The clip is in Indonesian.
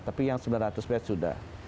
tapi yang sembilan ratus bed sudah